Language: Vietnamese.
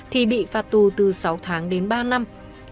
thì bị phạt tù từ sáu tháng đến ba năm